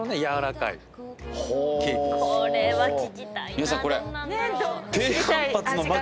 皆さんこれ。